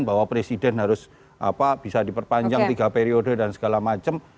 bahwa presiden harus bisa diperpanjang tiga periode dan segala macam